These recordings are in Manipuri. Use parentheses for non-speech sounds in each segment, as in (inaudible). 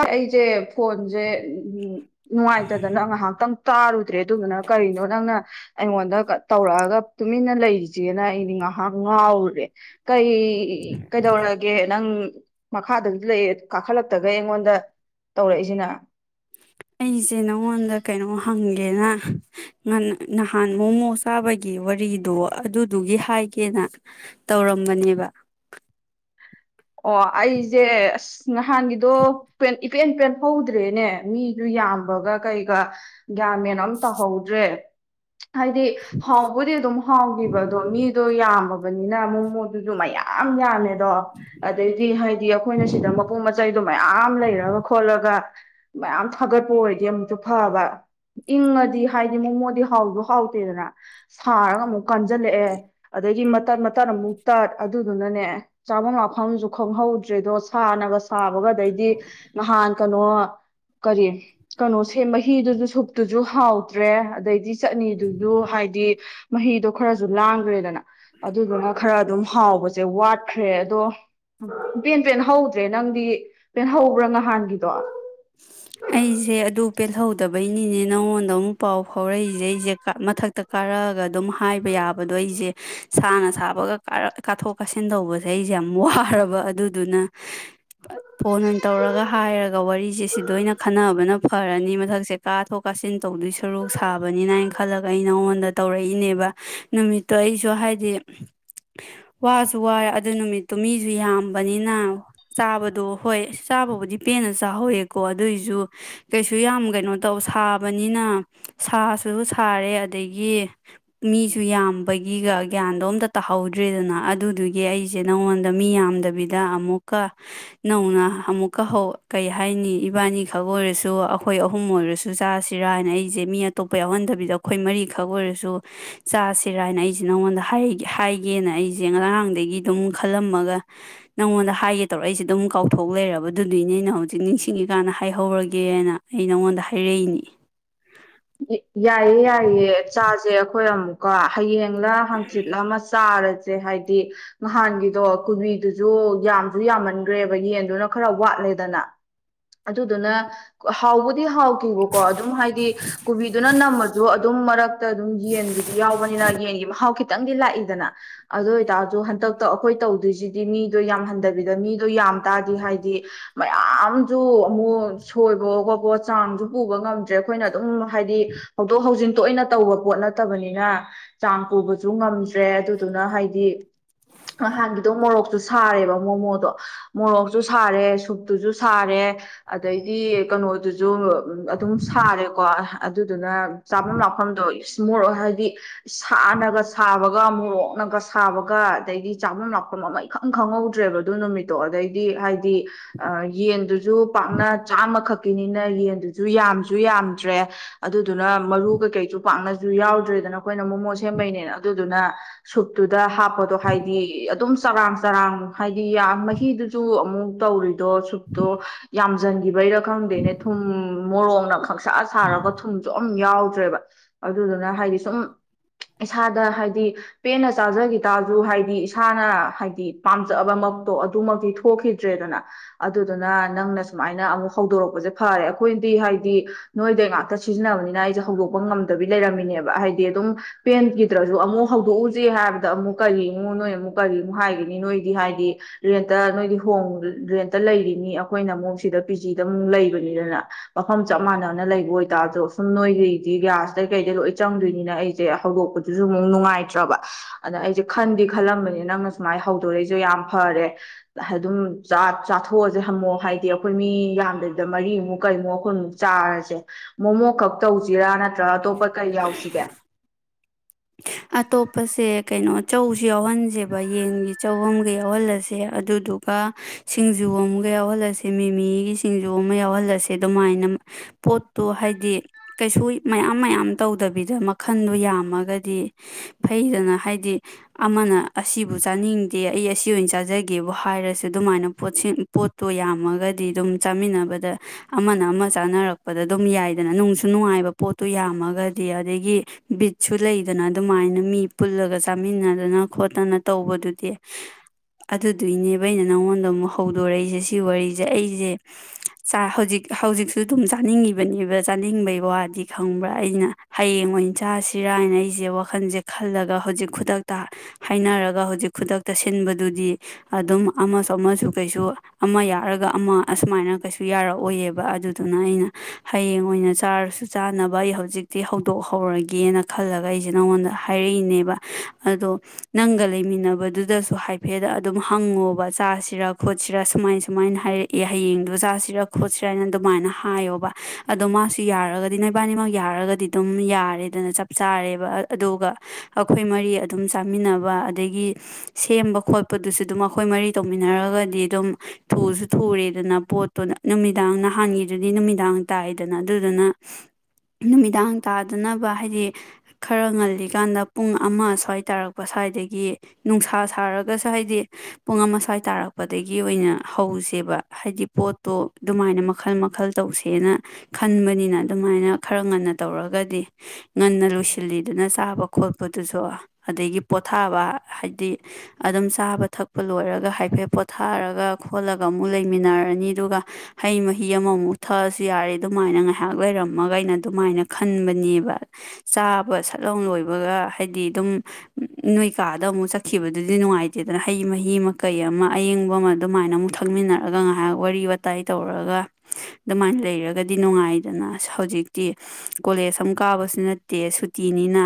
ꯑꯩꯖꯦ ꯐꯣꯟꯖꯦ ꯎꯝ ꯅꯨꯡꯉꯥꯏꯇꯗꯅ ꯉꯥꯏꯍꯥꯛꯇꯪ ꯇꯥꯔꯨꯗ꯭ꯔꯦ ꯑꯗꯨꯗꯨꯅ ꯀꯔꯤꯅꯣ ꯅꯪꯅ ꯑꯩꯉꯣꯟꯗ ꯇꯧꯔꯛꯑꯒ ꯇꯨꯃꯤꯟꯅ ꯂꯩꯔꯤꯁꯦꯅ ꯑꯩꯗꯤ ꯉꯍꯥꯛ ꯉꯥꯎꯔꯨꯔꯦ ꯀꯩ ꯀꯩꯗꯧꯔꯒꯦ ꯅꯪ ꯃꯈꯥꯗꯁꯨ ꯂꯩ ꯀꯥꯈꯠꯂꯛꯇꯒꯩ ꯑꯩꯉꯣꯟꯗ ꯗ ꯇꯧꯔꯛꯏꯁꯤꯅ ꯑꯩꯁꯦ ꯅꯉꯣꯟꯗ ꯀꯩꯅꯣ ꯍꯪꯒꯦꯅ ꯅꯍꯥꯟ ꯃꯣꯃꯣ ꯆꯥꯕꯒꯤ ꯋꯥꯔꯤꯗꯣ ꯑꯗꯨꯗꯨꯒꯤ ꯍꯥꯏꯒꯦꯅ ꯇꯧꯔꯝꯕꯅꯦꯕ ꯑꯣ ꯑꯩꯁꯦ ꯑꯁ ꯅꯍꯥꯟꯒꯤꯗꯣ ꯄꯦꯟ ꯄꯦꯟ ꯄꯦꯟꯍꯧꯗ꯭ꯔꯦꯅꯦ ꯃꯤꯁꯨ ꯌꯥꯝꯕꯒ ꯀꯩꯒ ꯒ꯭ꯌꯥꯟ ꯃꯦꯟ ꯑꯃ ꯇꯧꯍꯧꯗ꯭ꯔꯦ ꯍꯥꯏꯗꯤ ꯍꯥꯎꯕꯨꯗꯤ ꯑꯗꯨꯝ ꯍꯥꯎꯈꯤꯕ ꯑꯗꯣ ꯃꯤꯗꯣ ꯌꯥꯝꯕ ꯕꯅꯤꯅ ꯃꯣꯃꯣꯗꯨꯁꯨ ꯃꯌꯥꯝ ꯌꯥꯝꯃꯦ ꯗꯣ ꯑꯗꯩꯗꯤ ꯍꯥꯏꯗꯤ ꯑꯩꯈꯣꯏꯅ ꯁꯤꯗ ꯃꯄꯣꯠ ꯃꯆꯩꯗꯣ ꯃꯌꯥꯝ ꯂꯩꯔꯒ ꯈꯣꯠꯂꯒ ꯃꯌꯥꯝ ꯊꯥꯒꯠꯄ ꯑꯣꯏꯔꯗꯤ ꯑꯃꯨꯛꯇ ꯐꯕ ꯏꯪꯉꯗꯤ ꯍꯥꯏꯗꯤ ꯃꯣꯃꯣꯗꯤ ꯍꯥꯎꯖꯨ ꯍꯥꯎꯇꯦꯗꯅ ꯁꯥꯔꯒ ꯑꯃꯨꯛ ꯀꯟꯖꯜꯂꯛꯑꯦ ꯑꯗꯒꯤ ꯃꯠ ꯃꯇꯠ ꯃꯇꯠ ꯑꯃꯨꯛ ꯇꯠ ꯑꯗꯨꯗꯨꯅꯅꯦ ꯆꯥꯕꯝ ꯂꯥꯛ ꯈꯪꯁꯨ ꯈꯪꯍꯧꯗ꯭ꯔꯦꯗꯣ ꯁꯥꯅꯒ ꯁꯥꯕꯒ ꯑꯗꯩꯗꯤ ꯅꯍꯥꯟ ꯀꯩꯅꯣ ꯀꯔꯤ ꯀꯩꯅꯣ ꯁꯦꯝꯕ ꯃꯍꯤꯗꯨꯁꯨ ꯁꯨꯞꯇꯨꯁꯨ ꯍꯥꯎꯇ꯭ꯔꯦ ꯑꯗꯩꯗꯤ ꯆꯠꯅꯤꯗꯨꯖꯨ ꯍꯥꯏꯗꯤ ꯃꯍꯤꯗꯣ ꯈꯔꯁꯨ ꯂꯥꯡꯈ꯭ꯔꯦꯗꯅ ꯑꯗꯨꯗꯨꯅ ꯈꯔ ꯑꯗꯨꯝ ꯍꯥꯎꯕꯁꯦ ꯋꯥꯠꯈ꯭ꯔꯦ ꯑꯗꯣ ꯢꯄꯦꯟ ꯄꯦꯟꯍꯧꯗ꯭ꯔꯦ ꯅꯪꯗꯤ ꯄꯦꯟ ꯍꯧꯕ꯭ꯔꯥ ꯅꯍꯥꯟꯒꯤꯗꯣ ꯑꯩꯁꯦ ꯑꯗꯨ ꯄꯦꯜꯍꯧꯗꯕꯩꯅꯤꯅꯦ ꯅꯉꯣꯟꯗ ꯑꯃꯨꯛ ꯄꯥꯎ ꯐꯥꯎꯔꯛꯏꯁꯦ ꯑꯩꯁꯦ ꯃꯊꯛꯇ ꯀꯥꯔꯛꯑꯒ ꯑꯗꯨꯝ ꯍꯥꯏꯕ ꯌꯥꯕꯗꯣ ꯑꯩꯁꯦ ꯁꯥꯅ ꯁꯥꯕꯒ ꯀꯥꯊꯣꯛ ꯀꯥꯁꯤꯟ ꯇꯧꯕꯁꯦ ꯑꯩꯁꯦ ꯌꯥꯝ ꯋꯥꯔꯕ ꯑꯗꯨꯗꯨꯅ ꯐꯣꯟ ꯑꯣꯏꯅ ꯇꯧꯔꯒ ꯍꯥꯏꯔꯒ ꯋꯥꯔꯤ ꯑꯩꯁꯦ ꯁꯤꯗ ꯑꯣꯢꯅ ꯈꯟꯅꯕꯅ ꯐꯔꯅꯤ ꯃꯊꯛꯁꯦ ꯀꯥꯊꯣꯛ ꯀꯥꯁꯤꯟ ꯇꯧꯗꯣꯏ ꯁꯔꯨꯛ ꯁꯥꯕꯅꯤꯅ ꯍꯥꯏꯅ ꯈꯜꯂꯒ ꯑꯩ ꯅꯉꯣꯟꯗ ꯇꯧꯔꯛꯏꯅꯦꯕ ꯅꯨꯃꯤꯠꯇꯣ ꯑꯩꯁꯨ ꯍꯥꯏꯗꯤ ꯋꯥꯁꯨ ꯋꯥꯔꯦ ꯑꯗꯨ ꯅꯨꯃꯤꯠꯇꯣ ꯃꯤꯁꯨ ꯌꯥꯝꯕꯅꯤꯅ ꯆꯥꯕꯗꯣ ꯍꯣꯏ ꯆꯥꯕꯕꯨꯗꯤ ꯄꯦꯟꯅ ꯆꯥꯍꯧꯋꯦ ꯀꯣ ꯑꯗꯨꯏꯁꯨ ꯀꯩꯁꯨ ꯌꯥꯝ ꯀꯩꯅꯣ ꯇꯧ ꯁꯥꯕꯅꯤꯅ ꯁꯥꯁꯨ ꯁꯥꯔꯦ ꯑꯗꯒꯤ ꯃꯤꯁꯨ ꯌꯥꯝꯕꯒꯤꯒ ꯒ꯭ꯌꯥꯟꯗꯣ ꯑꯝꯇ ꯇꯥꯍꯧꯗ꯭ꯔꯦꯗꯅ ꯑꯗꯨꯗꯨꯒꯤ ꯑꯩꯁꯦ ꯅꯉꯣꯟꯗ ꯃꯤ ꯌꯥꯝꯗꯕꯤꯗ ꯑꯃꯨꯛꯀ ꯅꯧꯅ ꯑꯃꯨꯛꯀ ꯍꯧ ꯀꯩ ꯍꯥꯏꯅꯤ ꯏꯕꯥꯅꯤꯈꯛ ꯑꯣꯏꯔꯁꯨ ꯑꯩꯈꯣꯏ ꯑꯍꯨꯝ ꯑꯣꯏꯔꯁꯨ ꯆꯥꯁꯤꯔꯥꯅ ꯑꯩꯁꯦ ꯃꯤ ꯑꯇꯣꯞꯄ ꯌꯥꯎꯍꯟꯗꯕꯤꯗ ꯑꯩꯈꯣꯏ ꯃꯔꯤꯈꯛ ꯑꯣꯏꯔꯁꯨ ꯆꯥꯁꯤꯔꯥꯅ ꯑꯩꯁꯦ ꯅꯪꯉꯣꯟꯗ ꯍꯥꯢ ꯍꯥꯏꯒꯦꯅ ꯑꯩꯁꯦ ꯉꯔꯥꯡꯗꯒꯤ ꯑꯗꯨꯝ ꯈꯜꯂꯝꯃꯒ ꯅꯪꯉꯣꯟꯗ ꯍꯥꯏꯒꯦ ꯇꯧꯔ ꯑꯩꯁꯦ ꯑꯗꯨꯝ ꯀꯥꯎꯊꯣꯛ ꯂꯩꯔꯕ ꯑꯗꯨꯗꯨꯏꯅꯦ ꯑꯩꯅ ꯍꯧꯖꯤꯛ ꯅꯤꯡꯁꯤꯡ ꯏꯪꯉꯤꯀꯥꯟꯗ ꯍꯥꯏꯍꯧꯔꯒꯦꯅ ꯑꯩ ꯅꯪꯉꯣꯟꯗ ꯍꯥꯏꯔꯛꯏꯅꯤ ꯌꯥꯏꯌꯦ ꯌꯥꯏꯌꯦ ꯆꯥꯁꯦ ꯑꯩꯈꯣꯏ ꯑꯃꯨꯛꯀ ꯍꯌꯦꯡ ꯔ ꯍꯪꯆꯤꯠꯂ ꯑꯃ ꯆꯥꯔ ꯁꯦ ꯍꯥꯏꯗꯤ ꯅꯍꯥꯟꯒꯤꯗꯣ ꯀꯨꯕꯤꯗꯨꯁꯨ ꯌꯥꯝꯁꯨ ꯌꯥꯝꯃꯟꯈ꯭ꯔꯦꯕ ꯌꯦꯟꯗꯨꯅ ꯈꯔ ꯋꯥꯠꯂꯦꯗꯅ ꯑꯗꯨꯗꯨꯅ ꯍꯥꯎꯕꯨꯗꯤ ꯍꯥꯎ ꯕꯀꯣ ꯑꯗꯨꯝ ꯍꯥꯏꯗꯤ ꯀꯨꯕꯤꯗꯨꯅ ꯅꯝꯃꯁꯨ ꯑꯗꯨꯝ ꯃꯔꯛꯇ ꯑꯗꯨꯝ ꯌꯦꯟꯗꯨꯗꯤ ꯌꯥꯎꯕꯅꯤꯅ ꯌꯦꯟꯒꯤ ꯃꯍꯥꯎ ꯑꯥꯎ ꯈꯤꯇꯪꯗꯤ ꯂꯥꯛꯏꯗꯅ ꯑꯗꯨ ꯑꯣꯏꯇꯥꯔꯁꯨ ꯍꯟꯗꯛꯇ ꯑꯩꯈꯣꯏ ꯇꯧꯗꯣꯏꯁꯤꯗꯤ ꯃꯤꯗꯣ ꯌꯥꯝꯍꯟꯗꯕꯤꯗ ꯃꯤ ꯗꯨ ꯌꯥꯝ ꯇꯥꯔꯗꯤ ꯍꯥꯏꯗꯤ ꯃꯌꯥꯝꯁꯨ ꯑꯃꯨꯛ ꯁꯣꯏꯕꯑꯣ ꯈꯣꯠꯄꯑꯣ ꯆꯥꯡꯁꯨ ꯄꯨꯕ ꯉꯝꯗ꯭ꯔꯦ ꯑꯩꯈꯣꯏꯅ ꯑꯗꯨꯝ ꯍꯥꯏꯗꯤ ꯍꯧꯗꯣꯛ ꯍꯧꯖꯤꯟ ꯇꯣꯏꯅ ꯇꯧꯕ ꯄꯣꯠ ꯅꯠꯇꯕꯅꯤꯅ ꯆꯥꯡ ꯄꯨꯕꯁꯨ ꯉꯝꯗ꯭ꯔꯦ ꯑꯗꯨꯗꯨꯅ ꯍꯥꯏꯗꯤ ꯅꯍꯥꯟꯒꯤꯗꯣ ꯃꯣꯔꯣꯛꯁꯨ ꯁꯥꯔꯦꯕ ꯃꯣꯃꯣꯗꯣ ꯃꯣꯔꯣꯛꯁꯨ ꯁꯥꯔꯦ ꯁꯨꯞꯇꯨꯁꯨ ꯁꯥꯔꯦ ꯑꯗꯩꯗꯤ ꯀꯩꯅꯣꯗꯨꯁꯨ ꯑꯗꯨꯝ ꯁꯥꯔꯦꯀꯣ ꯑꯗꯨꯗꯨꯅ ꯆꯥꯐꯝ ꯂꯥꯛꯐꯝꯗꯣ ꯢꯁ ꯃꯣꯔꯣꯛ ꯍꯥꯏꯗꯤ ꯁꯥꯅꯒ ꯁꯥꯕꯒ ꯃꯣꯔꯣꯛꯅꯒ ꯁꯥꯕꯒ ꯑꯗꯩꯗꯤ ꯆꯥꯐꯝ ꯂꯥꯛꯐꯝ ꯑꯃ ꯏꯈꯪ ꯈꯪꯍꯧꯗ꯭ꯔꯦꯕ ꯑꯗꯨ ꯅꯨꯃꯤꯠꯇꯣ ꯑꯗꯩꯗꯤ ꯍꯥꯏꯗꯤ ꯑꯥ ꯌꯦꯟꯗꯨ ꯖꯨ ꯄꯥꯛꯅ ꯆꯥꯝꯃꯈꯛ ꯀꯤꯅꯤꯅ ꯌꯦꯟꯗꯨꯁꯨ ꯌꯥꯝꯁꯨ ꯌꯥꯝꯗ꯭ꯔꯦ ꯑꯗꯨꯗꯨꯅ ꯃꯔꯨ ꯀꯩꯀꯩꯁꯨ ꯄꯥꯛꯅꯁꯨ ꯌꯥꯎꯗ꯭ꯔꯦꯗꯅ ꯑꯩꯈꯣꯏꯅ ꯃꯣꯃꯣ ꯁꯦꯝꯕꯩꯅꯦꯅ ꯑꯗꯨꯗꯨꯅ ꯁꯨꯞꯇꯨ ꯗ ꯍꯥꯞꯄꯗꯣ ꯍꯥꯏꯗꯤ ꯑꯗꯨꯝ ꯆꯔꯥꯡ ꯆꯔꯥꯡ ꯍꯥꯏꯗꯤ ꯑꯥ ꯃꯍꯤꯗꯨꯁꯨ ꯑꯃꯨꯛ ꯇꯧꯔꯤ ꯗꯣ ꯁꯨꯞꯇꯣ ꯌꯥꯝꯖꯟꯒꯤꯕꯩꯔ ꯈꯪꯗꯦꯅꯦ ꯊꯨꯝ ꯃꯣꯔꯣꯛ (unintelligible) ꯏꯁꯥ ꯁꯥꯔꯒ ꯊꯨꯠ ꯊꯣꯝ ꯌꯥꯎꯗ꯭ꯔꯦꯕ ꯑꯗꯨꯗꯨꯅ ꯍꯥꯏꯗꯤ ꯁꯨꯝ ꯏꯁꯥꯗ ꯍꯥꯏꯗꯤ ꯄꯦꯟꯅ ꯆꯥꯖꯒꯤ ꯇꯥꯔꯖꯨ ꯍꯥꯏꯗꯤ ꯏꯁꯥꯅ ꯍꯥꯏꯗꯤ ꯄꯥꯝꯖꯕ ꯃꯛꯇꯣ ꯑꯗꯨꯃꯛꯇꯤ ꯊꯣꯛꯈꯤꯗ꯭ꯔꯦꯗꯅ ꯑꯗꯨꯗꯨꯅ ꯅꯪꯅ ꯁꯨꯃꯥꯏꯅ ꯑꯃꯨꯛ ꯍꯧꯗꯣꯔꯛꯄꯁꯦ ꯐꯔꯦ ꯑꯈꯣꯏꯗꯤ ꯍꯥꯏꯗꯤ ꯅꯣꯏꯗꯩ ꯉꯥꯛꯇ ꯁꯤꯖꯤꯟꯅꯕꯅꯤꯅ ꯑꯩꯖꯦ ꯍꯧꯗꯣꯛꯄ ꯉꯝꯗꯕꯤ ꯂꯩꯔꯝꯃꯤꯅꯦꯕ ꯍꯥꯏꯗꯤ ꯑꯗꯨꯝ ꯄꯦꯟꯒꯤꯗ꯭ꯔꯖꯨ ꯑꯃꯨꯛ ꯍꯧꯗꯣꯛꯎꯖꯦ ꯍꯥꯏꯕꯗ ꯑꯃꯨꯛ ꯀꯔꯤꯅꯣ ꯅꯣꯏ ꯑꯃꯨꯛ ꯀꯔꯤꯃꯨꯛ ꯍꯥꯏꯒꯅꯤ ꯅꯣꯏꯗꯤ ꯍꯥꯏꯗꯤ ꯔꯦꯟꯇ ꯅꯣꯏꯗꯤ ꯍꯣꯡ ꯔꯦꯟꯇ ꯂꯩꯔꯤꯅꯤ ꯑꯈꯣꯏꯅ ꯑꯃꯨꯛ ꯁꯤꯗ ꯄꯤꯖꯤꯗ ꯑꯃꯨꯛ ꯂꯩꯕꯅꯤꯗꯅ ꯃꯐꯝ ꯆꯞ ꯃꯥꯟꯅꯅ ꯂꯩꯕ ꯑꯣꯏ ꯇ ꯑꯗꯣ ꯁꯨꯝ ꯅꯣꯏꯗꯩꯗꯤ ꯒ꯭ꯌꯥꯁꯇꯩꯩ ꯀꯩꯗꯩ ꯂꯣꯏ ꯆꯪꯗꯣꯏꯅꯤꯅ ꯑꯩꯖꯦ ꯍꯧꯗꯣꯛꯄꯗꯨꯖꯨ ꯑꯃꯨꯛ ꯅꯨꯡꯉꯥꯏꯇ꯭ꯔꯕ ꯑꯗ ꯑꯩꯖꯦ ꯈꯟꯗꯤ ꯈꯜꯂꯝꯕꯅꯤ ꯅꯪꯅ ꯁꯨꯃꯥꯏꯅ ꯍꯧꯗꯣꯔꯛꯏꯖꯦ ꯌꯥꯝ ꯐꯔꯦ ꯑꯗꯨꯝ ꯆꯥ ꯆꯥꯊꯣꯛꯑꯖꯦ ꯍꯝꯃꯣ ꯍꯥꯏꯗꯤ ꯑꯈꯣꯏ ꯃꯤ ꯌꯥꯝꯗꯕꯤꯗ ꯃꯔꯤꯃꯨꯛ ꯀꯔꯤꯃꯨꯛ ꯈꯣꯏꯃꯨꯛ ꯆꯥꯔꯖꯦ ꯃꯣꯃꯣ ꯈꯛ ꯇꯧꯖꯤꯔꯅ ꯅꯠꯇ꯭ꯔ ꯑꯇꯣꯞꯄ ꯀꯔꯤ ꯌꯥꯎꯁꯤꯒꯦ ꯑꯇꯣꯞꯄꯁꯦ ꯀꯩꯅꯣ ꯆꯧꯁꯨ ꯌꯥꯎꯍꯟꯖꯦꯕ ꯌꯦꯟꯒꯤ ꯆꯧ ꯑꯃꯒ ꯌꯥꯎꯍꯜꯂꯁꯦ ꯑꯗꯨꯗꯨꯒ ꯁꯤꯡꯖꯨ ꯑꯃꯒ ꯌꯥꯎꯍꯜꯂꯁꯦ ꯃꯤꯃꯤꯒꯤ ꯁꯤꯡꯖꯨ ꯑꯃ ꯌꯥꯎꯍꯜꯂꯁꯦ ꯑꯗꯨꯃꯥꯏꯅ ꯄꯣꯠꯇꯣ ꯍꯥꯏꯗꯤ ꯀꯩꯁꯨ ꯃꯌꯥꯝ ꯃꯌꯥꯝ ꯇꯧꯗꯕꯤꯗ ꯃꯈꯟꯗꯣ ꯌꯥꯝꯃꯒꯗꯤ ꯐꯩꯗꯅ ꯍꯥꯏꯗꯤ ꯑꯃꯅ ꯑꯁꯤꯕꯨ ꯆꯥꯅꯤꯡꯗꯦ ꯑꯩ ꯑꯁꯤ ꯑꯣꯏꯅ ꯆꯥꯖꯒꯦꯕꯨ ꯍꯥꯏꯔꯁꯨ ꯑꯗꯨꯃꯥꯏꯅ ꯄꯣꯠꯁꯤ ꯄꯣꯠꯇꯣ ꯌꯥꯝꯃꯒꯗꯤ ꯑꯗꯨꯝ ꯆꯥꯃꯤꯟꯅꯕꯗ ꯑꯃꯅ ꯑꯃ ꯆꯥꯅꯔꯛꯄꯗ ꯑꯗꯨꯝ ꯌꯥꯏꯗꯅ ꯅꯨꯡꯖꯨ ꯅꯨꯡꯉꯥꯏꯕ ꯄꯣꯠꯇꯣ ꯌꯥꯝꯃꯒꯗꯤ ꯑꯗꯒꯤ ꯕꯤꯠꯁꯨ ꯂꯩꯗꯅ ꯑꯗꯨꯃꯥꯏꯅ ꯃꯤ ꯄꯨꯜꯂꯒ ꯆꯥꯃꯤꯟꯅꯗꯅ ꯈꯣꯠꯇꯅ ꯇꯧꯕꯗꯨꯗꯤ ꯑꯗꯨꯗꯨꯏꯅꯦꯕ ꯑꯩꯅ ꯅꯉꯣꯟꯗ ꯑꯃꯨꯛ ꯍꯧꯗꯣꯔꯛꯏꯁꯦ ꯁꯤ ꯋꯥꯔꯤꯖꯦ ꯑꯩꯖꯦ ꯍꯧꯖꯤꯛ ꯍꯧꯖꯤꯛꯁꯨ ꯑꯗꯨꯝ ꯆꯥꯅꯤꯡꯉꯤꯕꯅꯦꯕ ꯆꯥꯅꯤꯡꯕꯩ ꯋꯥꯗꯤ ꯈꯪꯕ꯭ꯔꯥ ꯑꯩꯅ ꯍꯌꯦꯡ ꯑꯣꯏꯅ ꯆꯥꯁꯤꯔꯥꯅ ꯑꯩꯁꯦ ꯋꯥꯈꯜ ꯈꯟꯖꯦ ꯈꯜꯂꯒ ꯍꯧꯖꯤꯛ ꯈꯨꯗꯛꯇ ꯍꯥꯏꯅꯔꯒ ꯍꯧꯖꯤꯛ ꯈꯨꯗꯛꯇ ꯁꯤꯟꯕꯗꯨꯗꯤ ꯑꯗꯨꯝ ꯑꯃꯁꯨ ꯑꯃꯁꯨ ꯀꯩꯁꯨ ꯑꯃ ꯌꯥꯔꯒ ꯑꯃ ꯑꯁꯨꯃꯥꯏꯅ ꯀꯩꯁꯨ ꯌꯥꯔꯛꯑꯣꯏꯌꯦꯕ ꯑꯗꯨꯗꯨꯅ ꯑꯩꯅ ꯍꯌꯦꯡ ꯑꯣꯏꯅ ꯆꯥꯔꯁꯨ ꯆꯥꯅꯕ ꯑꯩ ꯍꯧꯖꯤꯛꯇꯤ ꯍꯧꯗꯣꯛꯍꯧꯔꯒꯦꯅ ꯈꯜꯂꯒ ꯑꯩꯖ ꯅꯉꯣꯟꯗ ꯍꯥꯏꯔꯛꯏꯅꯦꯕ ꯑꯗꯣ ꯅꯪꯒ ꯂꯩꯃꯤꯟꯅꯕꯗꯨꯗꯖꯨ ꯍꯥꯏꯐꯦꯠ ꯑꯗꯨꯝ ꯍꯪꯉꯣꯕ ꯆꯥꯁꯤꯔ ꯈꯣꯠꯁꯤꯔ ꯁꯨꯃꯥꯏ ꯁꯨꯃꯥꯏꯅ ꯍꯥꯏꯔꯛꯑꯦ ꯍꯌꯦꯡꯗꯣ ꯆꯥꯁꯤꯔ ꯈꯣꯠꯁꯤꯔꯅ ꯗꯨꯃꯥꯏꯅ ꯍꯥꯏꯌꯣꯕ ꯑꯗꯣ ꯃꯥꯁꯨ ꯌꯥꯔꯒꯗꯤ ꯅꯣꯏꯕꯅꯤꯃꯛ ꯌꯥꯔꯒꯗꯤ ꯗꯨꯝ ꯌꯥꯔꯦꯗꯅ ꯆꯞ ꯆꯥꯔꯦ ꯑꯗꯨꯒ ꯑꯈꯣꯏ ꯃꯔꯤ ꯑꯗꯨꯝ ꯆꯥꯃꯤꯟꯅꯕ ꯑꯗꯒꯤ ꯁꯦꯝꯕ ꯈꯣꯠꯄꯗꯨꯁꯨ ꯑꯗꯨꯝ ꯑꯈꯣꯏ ꯃꯔꯤ ꯇꯧꯃꯤꯟꯅꯔꯒꯗꯤ ꯑꯗꯨꯝ ꯊꯨꯖꯨ ꯊꯨꯔꯦꯗꯅ ꯄꯣꯠꯇꯨꯅ ꯅꯨꯃꯤꯗꯥꯡ ꯅꯍꯥꯟꯒꯤꯗꯨꯗꯤ ꯅꯨꯃꯤꯗꯥꯡ ꯇꯥꯏꯗꯅ ꯑꯗꯨꯗꯨꯅ ꯅꯨꯃꯤꯗꯥꯡ ꯇꯥꯗꯅꯕ ꯍꯥꯏꯗꯤ ꯈꯔ ꯉꯜꯂꯤꯀꯥꯟꯗ ꯄꯨꯡ ꯑꯃ ꯁ꯭ꯋꯥꯏ ꯇꯥꯔꯛꯄ ꯁ꯭ꯋꯥꯏꯗꯒꯤ ꯅꯨꯡꯁꯥ ꯁꯥꯔꯒꯁꯨ ꯍꯥꯏꯗꯤ ꯄꯨꯡ ꯑꯃ ꯁ꯭ꯋꯥꯏ ꯇꯥꯔꯛꯄꯗꯒꯤ ꯑꯣꯏꯅ ꯍꯧꯁꯦꯕ ꯍꯥꯏꯗꯤ ꯄꯣꯠꯇꯣ ꯑꯗꯨꯃꯥꯏꯅ ꯃꯈꯜ ꯃꯈꯜ ꯇꯧꯁꯦꯅ ꯈꯟꯕꯅꯤꯅ ꯑꯗꯨꯃꯥꯏꯅ ꯈꯔ ꯉꯟꯅ ꯇꯧꯔꯒꯗꯤ ꯉꯟꯅ ꯂꯣꯏꯁ ꯊꯤꯜꯂꯤꯗꯨꯅ ꯆꯥꯕ ꯈꯣꯠꯄꯗꯨꯖꯨ ꯑꯗꯒꯤ ꯄꯣꯊꯥꯕ ꯍꯥꯏꯗꯤ ꯑꯗꯨꯝ ꯆꯥꯕ ꯊꯛꯄ ꯂꯣꯏꯔꯒ ꯍꯥꯏꯐꯦꯠ ꯄꯣꯊꯥꯔꯒ ꯈꯣꯠꯂꯒ ꯑꯃꯨꯛ ꯂꯩꯃꯤꯟꯅꯔꯅꯤ ꯑꯗꯨꯒ ꯍꯩ ꯃꯍꯤ ꯑꯃꯃꯨꯛ ꯊꯛꯑꯁꯨ ꯌꯥꯔꯦ ꯑꯗꯨꯃꯥꯏꯅ ꯉꯥꯏꯍꯥꯛ ꯂꯩꯔꯝꯃꯒ ꯑꯩꯅ ꯑꯗꯨꯃꯥꯏꯅ ꯈꯟꯕꯅꯦꯕ ꯆꯥꯕ ꯕ ꯁꯠꯂꯥꯎ ꯂꯣꯏꯕꯒ ꯍꯥꯏꯗꯤ ꯑꯗꯨꯝ ꯅꯣꯏ ꯀꯥꯗ ꯑꯃꯨꯛ ꯆꯠꯈꯤꯕꯗꯨꯗꯤ ꯅꯨꯡꯉꯥꯏꯇꯦꯗꯅ ꯍꯩ ꯃꯍꯤꯃ ꯃꯀꯩ ꯑꯃ ꯑꯌꯤꯡꯕ ꯑꯃ ꯑꯗꯨꯃꯥꯏꯅ ꯑꯃꯨꯛ ꯊꯛꯃꯤꯟꯅꯔꯒ ꯉꯥꯏꯍꯥꯛ ꯋꯥꯔꯤ ꯋꯥꯇꯥꯏ ꯇꯧꯔꯒ ꯑꯗꯨꯃꯥꯏꯅ ꯂꯩꯔꯒꯗꯤ ꯅꯨꯡꯉꯥꯏꯗꯅ ꯍꯧꯖꯤꯛꯇꯤ ꯀꯣꯂꯦꯖ ꯑꯃ ꯀꯥꯕꯁꯨ ꯅꯠꯇꯦ ꯁꯨꯠ ꯇꯤꯅꯤꯅ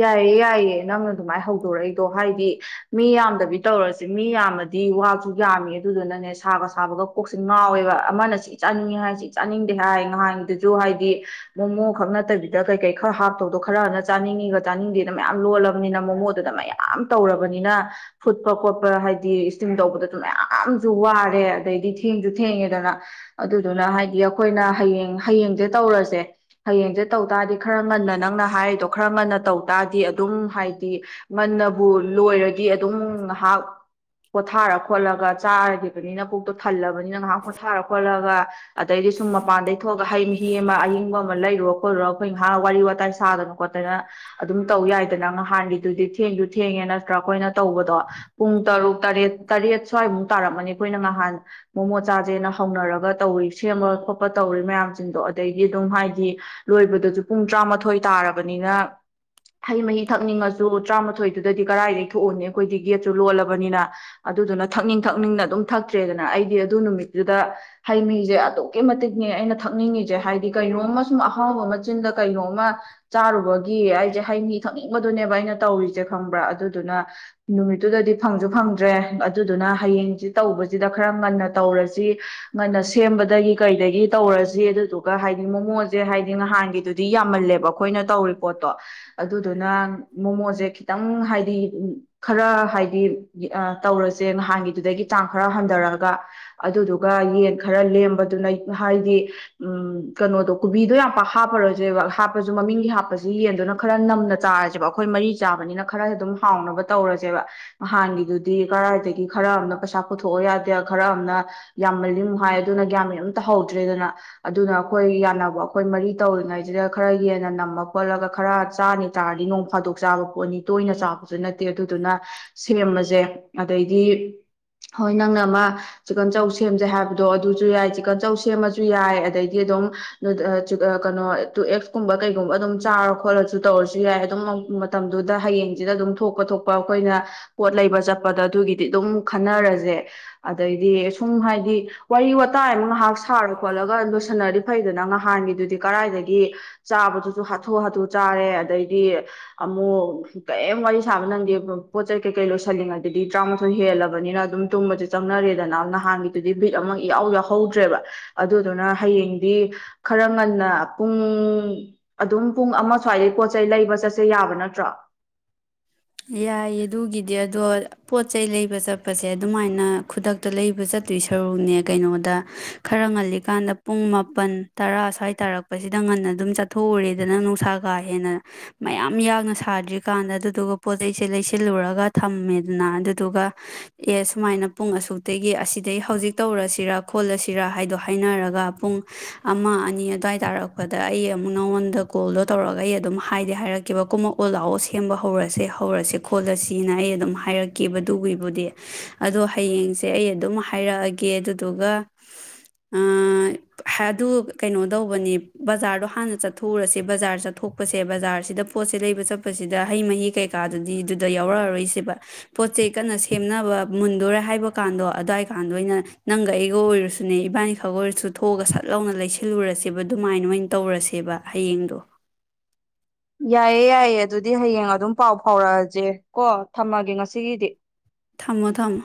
ꯌꯥꯏꯌꯦ ꯌꯥꯏꯌꯦ ꯅꯪꯅ ꯑꯗꯨꯃꯥꯏꯅ ꯍꯧꯗꯣꯔꯛꯏꯗꯣ ꯍꯥꯏꯗꯤ ꯃꯤ ꯌꯥꯝꯗꯕꯤ ꯇꯧꯔꯖꯤ ꯃꯤ ꯌꯥꯝꯃꯗꯤ ꯋꯥꯥꯖꯨ ꯌꯥꯝꯃꯤ ꯑꯗꯨꯗꯨꯅꯅꯦ ꯁꯥꯒ ꯁꯥꯕꯒ ꯀꯣꯛꯁꯦ ꯉꯥꯎꯋꯦꯕ ꯑꯃꯅ ꯁꯤ ꯆꯥꯅꯤꯡꯉꯤ ꯍꯥꯏ ꯁꯤ ꯆꯥꯅꯤꯡꯗꯦ ꯍꯥꯏ ꯉꯍꯥꯟꯒꯤꯗꯨꯖꯨ ꯍꯥꯏꯗꯤ ꯃꯣꯃꯣ ꯈꯛ ꯅꯠꯇꯕꯤꯗ ꯀꯩ ꯀꯩ ꯈꯔ ꯍꯥꯞꯇꯧꯗꯣ ꯈꯔꯅ ꯆꯥꯅꯤꯡꯉꯤꯒ ꯆꯥꯅꯤꯡꯗꯦꯗ ꯃꯌꯥꯝ ꯂꯣꯜꯂꯕꯅꯤꯅ ꯃꯣꯃꯣꯗꯨꯗ ꯃꯌꯥꯝ ꯇꯧꯔꯕꯅꯤꯅ ꯐꯨꯠꯄ ꯈꯣꯠꯄ ꯍꯥꯏꯗꯤ ꯏꯁꯇꯤꯝ ꯇꯧꯕꯗꯖꯨ ꯃꯌꯥꯝꯖꯨ ꯋꯥꯔꯦ ꯑꯗꯩꯗꯤ ꯊꯦꯡꯖꯨ ꯊꯦꯡꯉꯦꯗꯅ ꯑꯗꯨꯗꯨꯅ ꯍꯥꯏꯗꯤ ꯑꯈꯣꯏꯅ ꯍꯌꯦꯡ ꯍꯌꯦꯡꯖꯦ ꯇꯧꯔꯖꯦ ꯍꯌꯦꯡꯖꯦ ꯇꯧ ꯇꯥꯔꯗꯤ ꯈꯔ ꯉꯟꯅ ꯅꯪꯅ ꯍꯥꯏꯔꯤꯗꯣ ꯈꯔ ꯉꯟꯅ ꯇꯧ ꯇꯥꯔꯗꯤ ꯑꯗꯨꯝ ꯍꯥꯏꯗꯤ ꯉꯟꯅꯕꯨ ꯂꯣꯏꯔꯗꯤ ꯑꯗꯨꯝ ꯉꯥꯏꯍꯥꯛ ꯄꯣꯊꯥꯔ ꯈꯣꯠꯂꯒ ꯆꯥꯔꯒꯤꯕꯅꯤꯅ ꯄꯨꯛꯇꯣ ꯊꯜꯂꯕꯅꯤꯅ ꯉꯥꯏꯍꯥꯛ ꯄꯣꯊꯥꯔ ꯈꯣꯠꯂꯒ ꯑꯗꯩꯗꯤ ꯁꯨꯝ ꯃꯄꯥꯟꯗꯩ ꯊꯣꯛꯑꯒ ꯍꯩ ꯃꯍꯤ ꯑꯃ ꯑꯌꯤꯡꯕ ꯑꯃ ꯂꯩꯔꯨꯔꯣ ꯈꯣꯠꯂꯨꯔ ꯈꯣꯏ ꯉꯥꯏꯍꯥꯛ ꯋꯥꯔꯤ ꯋꯥꯇꯥꯏ ꯁꯥꯗꯅ ꯈꯣꯠꯇꯅ ꯑꯗꯨꯝ ꯇꯧ ꯌꯥꯏꯗꯅ ꯉꯍꯥꯟꯒꯤꯗꯨꯗꯤ ꯊꯦꯡꯖꯨ ꯊꯦꯡꯉꯦ ꯅꯠꯇ꯭ꯔ ꯈꯣꯏꯅ ꯇꯧꯕꯗꯣ ꯄꯨꯡ ꯇꯔꯨꯛ ꯇꯔꯦꯠ ꯇꯔꯦꯠ ꯁ꯭ꯋꯥꯏꯃꯨꯛ ꯇꯥꯔꯝꯃꯅꯤ ꯈꯣꯏꯅ ꯉꯍꯥꯟ ꯃꯣꯃꯣꯆꯥꯖꯦꯅ ꯍꯧꯅꯔꯒ ꯇꯧꯔꯤ ꯁꯦꯝꯕ ꯈꯣꯠꯄ ꯇꯧꯔꯤ ꯃꯌꯥꯝꯖꯤꯡꯗꯣ ꯑꯗꯩꯗꯤ ꯑꯗꯨꯝ ꯍꯥꯏꯗꯤ ꯂꯣꯏꯕꯗꯖꯨ ꯄꯨꯡ ꯇꯔꯥꯃꯥꯊꯣꯏ ꯇꯥꯔꯕꯅꯤꯅ ꯍꯩ ꯃꯍꯤ ꯊꯛꯅꯤꯡꯉꯖꯨ ꯇ꯭ꯔꯥꯃꯥꯊꯣꯏꯗꯨꯗꯗꯤ ꯀꯔꯥꯏꯗꯒꯤ ꯊꯣꯛꯎꯅꯤ ꯈꯣꯏꯗꯤ ꯒꯦꯠꯁꯨ ꯂꯣꯜꯂꯕꯅꯤꯅ ꯑꯗꯨꯗꯨꯅ ꯊꯛꯅꯤꯡ ꯊꯛꯅꯤꯡꯅ ꯑꯗꯨꯝ ꯊꯛꯇ꯭ꯔꯦꯗꯅ ꯑꯩꯗꯤ ꯑꯗꯨ ꯅꯨꯃꯤꯠꯇꯨꯗ ꯍꯩ ꯃꯍꯤꯖꯦ ꯑꯗꯨꯛꯀꯤ ꯃꯇꯤꯛꯅꯦ ꯑꯩꯅ ꯊꯛꯅꯤꯡꯉꯤꯖꯦ ꯍꯥꯏꯗꯤ ꯀꯩꯅꯣꯝꯃ ꯁꯨꯝ ꯑꯍꯥꯎꯕ ꯑꯃ ꯆꯤꯟꯗ ꯀꯩꯅꯣꯝꯃ ꯆꯥꯔꯨꯕꯒꯤ ꯑꯩꯖꯦ ꯍꯩ ꯃꯍꯤ ꯊꯛꯅꯤꯡꯕꯗꯨꯅꯦꯕ ꯑꯩꯅ ꯇꯧꯔꯤꯖꯦ ꯈꯪꯕ꯭ꯔ ꯑꯗꯨꯗꯨꯅ ꯅꯨꯃꯤꯠꯇꯨꯗꯗꯤ ꯐꯪꯖꯨ ꯐꯪꯗ꯭ꯔꯦ ꯗꯨꯗꯨꯅ ꯍꯌꯦꯡꯖꯦ ꯇꯧꯕ ꯁꯤꯗ ꯈꯔ ꯉꯟꯅ ꯇꯧꯔꯁꯤ ꯉꯟꯅ ꯁꯦꯝꯕꯗꯒꯤ ꯀꯩꯗꯒꯤ ꯇꯧꯔꯖꯤ ꯑꯗꯨꯗꯨꯒ ꯍꯥꯏꯗꯤ ꯃꯣꯃꯣꯖꯦ ꯍꯥꯏꯗꯤ ꯅꯍꯥꯟꯒꯤꯗꯨꯗꯤ ꯌꯥꯝꯃꯜꯂꯦꯕ ꯈꯣꯏꯅ ꯇꯧꯔꯤ ꯄꯣꯠꯇꯣ ꯑꯗꯨꯗꯨꯅ ꯃꯣꯃꯣꯖꯦ ꯈꯤꯇꯪ ꯍꯥꯏꯗꯤ ꯎꯝ ꯈꯔ ꯍꯥꯏꯗꯤ ꯌꯦ ꯑꯥ ꯇꯧꯔꯁꯦ ꯅꯍꯥꯟꯒꯤꯗꯨꯗꯒꯤ ꯆꯥꯡ ꯈꯔ ꯍꯟꯙꯔꯒ ꯑꯗꯨꯗꯨꯒ ꯌꯦꯟ ꯈꯔ ꯂꯦꯝꯕꯗꯨꯅ ꯍꯥꯏꯗꯤ ꯎꯝ ꯀꯩꯅꯣꯗꯣ ꯀꯣꯕꯤꯗꯣ ꯌꯥꯝ ꯄꯥꯛ ꯍꯥꯞꯄꯔꯣꯏꯖꯦꯕ ꯍꯥꯞꯄꯖꯨ ꯃꯃꯤꯡꯒꯤ ꯍꯥꯞꯄꯖꯤ ꯌꯦꯟꯗꯨꯅ ꯈꯔ ꯅꯝꯅ ꯆꯥꯔꯖꯦꯕ ꯑꯈꯣꯏ ꯃꯔꯤ ꯆꯥꯕꯅꯤꯅ ꯈꯔ ꯑꯗꯨꯝ ꯍꯥꯎꯅꯕ ꯇꯧꯔꯖꯦꯕ ꯅꯍꯥꯟꯒꯤꯗꯨꯗꯤ ꯀꯔꯥꯏꯗꯒꯤ ꯈꯔ ꯑꯝꯅ ꯄꯩꯁꯥ ꯄꯨꯊꯣꯛꯑꯣ ꯌꯥꯗꯦ ꯈꯔ ꯑꯝꯅ ꯌꯥꯝꯃꯜꯂꯤꯃꯨ ꯍꯥꯏ ꯑꯗꯨꯅ ꯒ꯭ꯌꯥꯟꯃꯦꯟ ꯑꯝ ꯇꯍꯧꯗ꯭ꯔꯦꯗꯅ ꯑꯗꯨꯅ ꯈꯣꯏ ꯌꯥꯅꯕ ꯑꯈꯣꯏ ꯃꯔꯤ ꯇꯧꯔꯤꯉꯩꯖꯤꯗ ꯈꯔ ꯍꯦꯟꯅ ꯅꯝꯃ ꯈꯣꯠꯂꯒ ꯈꯔ ꯆꯥꯔꯅꯤ ꯆꯥꯔꯗꯤ ꯅꯣꯡ ꯐꯥꯗꯣꯛ ꯆꯥꯕ ꯄꯣꯠꯅꯤ ꯇꯣꯏꯅ ꯆꯥꯕꯁꯨ ꯅꯠꯇꯦ ꯑꯗꯨꯗꯨꯅ ꯁꯦꯝꯃꯖꯦ ꯑꯗꯩꯗꯤ ꯍꯣꯏ ꯅꯪꯅ ꯑꯃ ꯆꯤꯛꯀꯟ ꯆꯧ ꯁꯦꯝꯖꯦ ꯍꯥꯏꯕꯗꯣ ꯑꯗꯨꯖꯨ ꯌꯥꯏ ꯆꯤꯛꯀꯟ ꯆꯧ ꯁꯦꯝꯃꯖꯨ ꯌꯥꯏ ꯑꯗꯩꯗꯤ ꯑꯗꯨꯝ ꯑ ꯑ ꯑ ꯀꯩꯅꯣ ꯇꯨ ꯑꯦꯛꯁꯀꯨꯝꯕ ꯀꯩꯒꯨꯝꯕ ꯑꯗꯨꯝ ꯆꯥꯔ ꯈꯣꯠꯂ ꯖꯨ ꯇꯧꯔꯁꯨ ꯌꯥꯏ ꯑꯗꯨꯝ ꯃꯇꯝꯗꯨꯗ ꯍꯌꯦꯡꯖꯤꯗ ꯑꯗꯨꯝ ꯊꯣꯛꯄ ꯊꯣꯛꯄ ꯑꯈꯣꯏꯅ ꯄꯣꯠ ꯂꯩꯕ ꯆꯠꯄꯗ ꯑꯗꯨꯒꯤꯗꯤ ꯑꯗꯨꯝ ꯈꯟꯅꯔꯖꯦ ꯑꯗꯩꯗꯤ ꯁꯨꯝ ꯍꯥꯏꯗꯤ ꯋꯥꯔꯤ ꯋꯥ ꯇꯥꯏꯃꯨꯛ ꯉꯥꯏꯍꯥꯛ ꯁꯥꯔ ꯈꯣꯠꯂꯒ ꯂꯣꯏꯁꯟꯅꯔꯗꯤ ꯐꯩꯗꯅ ꯉꯍꯥꯟꯒꯤꯗꯨꯗꯤ ꯀꯔꯥꯏꯗꯒꯤ ꯆꯥꯕꯗꯨꯖꯨ ꯍꯊꯨ ꯍꯊꯨ ꯆꯥꯔꯦ ꯑꯗꯩꯗꯤ ꯑꯃꯨꯛ ꯀꯩꯝ ꯋꯥꯔꯤ ꯁꯥꯕ ꯅꯪꯗꯦ ꯄꯣꯠ ꯆꯩ ꯀꯩꯀꯩ ꯂꯣꯏꯁꯜꯂꯤꯉꯩꯗꯗꯤ ꯇ꯭ꯔꯥꯃꯥꯊꯣꯏ ꯍꯦꯜꯂꯕꯅꯤꯅ ꯑꯗꯨꯝ ꯇꯨꯝꯕꯖꯦ ꯆꯪꯅꯔꯦꯗꯅ ꯅꯍꯥꯟꯒꯤꯗꯨꯗꯤ ꯕꯤꯠ ꯑꯃ ꯏꯌꯥꯎ ꯌꯥꯎꯍꯧꯗ꯭ꯔꯦꯕ ꯑꯗꯨꯗꯨꯅ ꯍꯌꯦꯡꯗꯤ ꯈꯔ ꯉꯟꯅ ꯄꯨꯡ ꯑꯗꯨꯝ ꯄꯨꯡ ꯑꯃ ꯁ꯭ꯋꯥꯏꯗꯩ ꯄꯣꯠ ꯆꯩꯩ ꯂꯩꯕ ꯆꯠꯁꯦ ꯌꯥꯕ ꯅꯠꯇ꯭ꯔꯣ ꯌꯥꯏꯌꯦ ꯑꯗꯨꯒꯤꯗꯤ ꯑꯗꯣ ꯄꯣꯠ ꯆꯩꯩ ꯂꯩꯕ ꯆꯠꯄꯁꯦ ꯑꯗꯨꯃꯥꯏꯅ ꯈꯨꯗꯛꯇ ꯂꯩꯕ ꯆꯠꯇꯣꯏ ꯁꯔꯨꯛꯅꯦ ꯀꯩꯅꯣꯗ ꯈꯔ ꯉꯜꯂꯤꯀꯥꯟꯗ ꯄꯨꯡ ꯃꯥꯄꯟ ꯇꯔꯥ ꯁꯥꯏ ꯇꯥꯔꯛꯄꯖꯤꯗ ꯉꯟꯅ ꯑꯗꯨꯝ ꯆꯠꯊꯣꯛꯎꯔꯦꯗꯅ ꯅꯨꯡꯁꯥ ꯀꯥ ꯍꯦꯟꯅ ꯃꯌꯥꯝ ꯌꯥꯛꯅ ꯁꯥꯗ꯭ꯔꯤꯀꯥꯟꯗ ꯑꯗꯨꯗꯨꯒ ꯄꯣꯠꯆꯩꯁꯦ ꯂꯩꯁꯤꯜꯂꯨꯔꯒ ꯊꯝꯃꯦꯗꯅ ꯑꯗꯨꯗꯨꯒ ꯑꯦ ꯁꯨꯃꯥꯏꯅ ꯄꯨꯡ ꯑꯁꯨꯛꯇꯒꯤ ꯑꯁꯤꯗꯩ ꯍꯧꯖꯤꯛ ꯇꯧꯔꯁꯤꯔ ꯈꯣꯠꯂꯁꯤꯔ ꯍꯥꯏꯗꯣ ꯍꯥꯏꯅꯔꯒ ꯄꯨꯡ ꯑꯃ ꯑꯅꯤ ꯑꯗ꯭ꯋꯥꯏ ꯇꯥꯔꯛꯄꯗ ꯑꯩ ꯑꯃꯨꯛ ꯅꯉꯣꯟꯗ ꯀꯣꯜꯗꯣ ꯇꯧꯔꯒ ꯑꯩ ꯑꯗꯨꯝ ꯍꯥꯏꯗꯤ ꯍꯥꯏꯔꯛꯀꯦꯕ ꯀꯨꯝꯃꯛ ꯑꯣ ꯂꯥꯛꯑꯣ ꯁꯦꯝꯕ ꯍꯧꯔꯁꯦ ꯍꯧꯔꯁꯦ ꯈꯣꯠꯂꯁꯤꯅ ꯑꯩ ꯑꯗꯨꯝ ꯍꯥꯏꯔꯛꯀꯦꯕ ꯗꯨꯋꯤꯕꯨꯗꯤ ꯑꯗꯣ ꯍꯌꯦꯡꯁꯦ ꯑꯩ ꯑꯗꯨꯝ ꯍꯥꯏꯔꯛꯑꯒꯦ ꯑꯗꯨꯗꯨꯒ ꯑꯥ ꯍꯥ ꯑꯗꯨ ꯀꯩꯅꯣ ꯇꯧꯕꯅꯦ ꯕꯖꯥꯔꯗꯣ ꯍꯥꯟꯅ ꯆꯠꯊꯣꯛꯎꯔꯁꯦ ꯕꯖꯥꯔ ꯆꯠꯊꯣꯛꯄꯁꯦ ꯕꯖꯥꯔꯁꯤꯗ ꯄꯣꯠꯁꯦ ꯂꯩꯕ ꯆꯠꯄꯁꯤꯗ ꯍꯩ ꯃꯍꯤ ꯀꯩ ꯀꯥꯗꯗꯤ ꯗꯨꯗꯣ ꯌꯥꯎꯔꯛꯑꯔꯣꯏꯁꯦꯕ ꯄꯣꯠꯆꯩ ꯀꯟꯅ ꯁꯦꯝꯅꯕ ꯃꯨꯟꯗꯣꯔꯦ ꯍꯥꯏꯕꯀꯥꯟꯗꯣ ꯑꯗ꯭ꯋꯥꯏ ꯀꯥꯟꯗꯣ ꯑꯩꯅ ꯅꯪꯒ ꯑꯩꯒ ꯑꯣꯏꯔꯁꯨꯅꯦ ꯏꯕꯥꯅꯤ ꯈꯛ ꯑꯣꯏꯔꯁꯨ ꯊꯣꯛꯑꯒ ꯁꯠ ꯂꯥꯎꯅ ꯂꯩꯁꯤꯜꯂꯨꯔꯁꯦꯕ ꯑꯗꯨꯃꯥꯏ ꯃꯥꯏꯟ ꯇꯧꯔꯁꯦꯕ ꯍꯌꯦꯡꯗꯣ ꯌꯥꯏꯌꯦ ꯌꯥꯏꯌꯦ ꯑꯗꯨꯗꯤ ꯍꯌꯦꯡ ꯑꯗꯨꯝ ꯄꯥꯎ ꯐꯥꯎꯔꯛꯑꯖꯦ ꯀꯣ ꯊꯝꯃꯒꯦ ꯉꯁꯤꯒꯤꯗꯤ ꯊꯝꯃꯣ ꯊꯝꯃꯣ